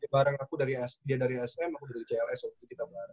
barang aku dari dia dari sm aku dari cls waktu itu kita bareng